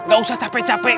gak usah capek capek